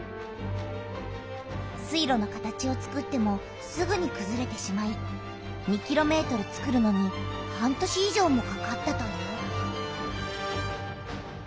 水路の形をつくってもすぐにくずれてしまい２ｋｍつくるのに半年い上もかかったという。